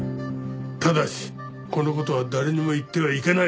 ただしこの事は誰にも言ってはいけない。